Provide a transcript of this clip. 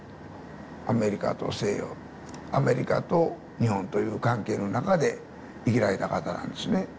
アメリカと西洋アメリカと日本という関係の中で生きられた方なんですね。